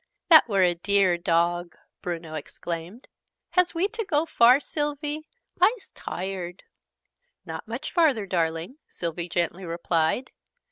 "That were a dear dog!" Bruno exclaimed. "Has we to go far, Sylvie? I's tired!" "Not much further, darling!" Sylvie gently replied.